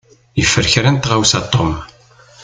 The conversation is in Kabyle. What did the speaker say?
Yeffer kra n tɣawsa Tom.